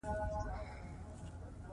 د ژوند په هره برخه کې صبر وکړئ.